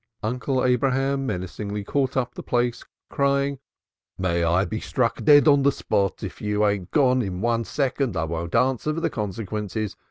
Uncle Abraham menacingly caught up the plaice, crying: "May I be struck dead on the spot, if you ain't gone in one second I won't answer for the consequences.